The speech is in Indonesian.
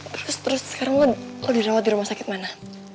terus terus sekarang kalau dirawat di rumah sakit mana